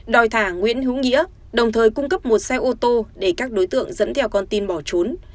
đòi thả nguyễn hữu nghĩa đồng thời cung cấp một xe ô tô để các đối tượng dẫn theo con tin bỏ trốn